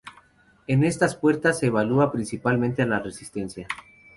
En estas pruebas se evalúa principalmente la resistencia.